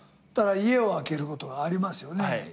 家を空けることがありますよね。